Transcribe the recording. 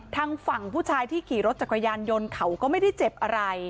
ทางฝั่งผู้ชายที่ขี่รถจักรยานยนต์เขาก็ไม่ได้เจ็บอะไร